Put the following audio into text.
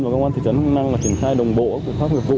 và công an thị trấn crong năng là kiểm khai đồng bộ của các nghiệp vụ